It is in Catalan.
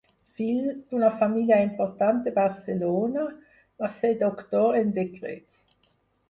Fill d'una família important de Barcelona, va ser doctor en decrets.